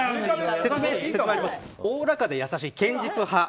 おおらかで優しい堅実派。